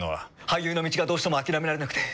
俳優の道がどうしても諦められなくて。